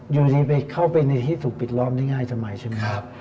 อยู่ดีไปเข้าไปในที่ถูกปิดล้อมได้ง่ายทำไมใช่ไหมครับ